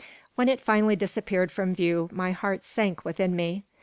When it finally disappeared from view my heart sank within me.